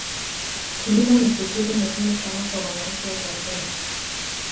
kilimo ni shughuli muhimu sana kwa wananchi wa tanzania